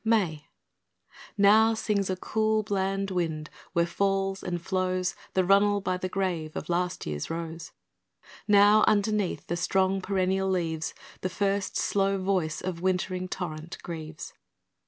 May Now sings a cool, bland wind, where falls and flows The runnel by the grave of last year's rose; Now, underneath the strong perennial leaves, The first slow voice of wintering torrent grieves.